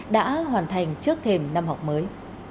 đã hoàn thành trước thềm năm học mới